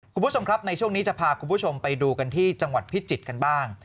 คุณผู้ชมครับในช่วงนี้จะพาคุณผู้ชมไปดูกันที่จังหวัดพิจิตรกันบ้าง